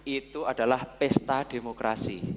itu adalah pesta demokrasi